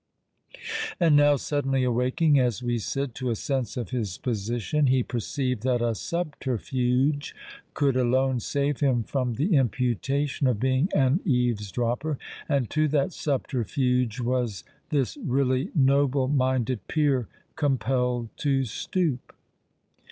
And now, suddenly awaking—as we said—to a sense of his position, he perceived that a subterfuge could alone save him from the imputation of being an eaves dropper: and to that subterfuge was this really noble minded peer compelled to stoop.